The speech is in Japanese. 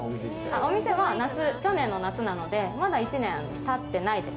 お店は去年の夏なのでまだ１年、経ってないです。